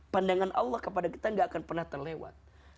pandangan allah kepada kita gak akan pernah terlewat